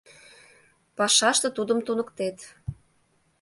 Пашаште тудым туныктет.